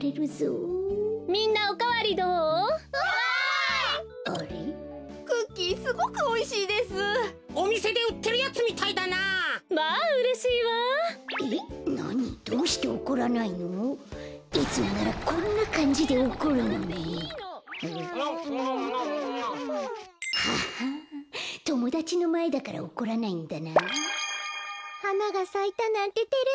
はながさいたなんててれますねえ。